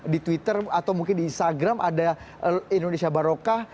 di twitter atau mungkin di instagram ada indonesia barokah